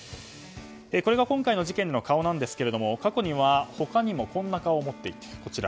これが今回の事件の顔ですが過去には他にもこんな顔を持っていました。